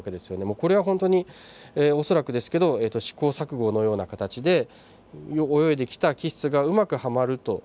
もうこれはほんとに恐らくですけど試行錯誤のような形で泳いできた基質がうまくはまると。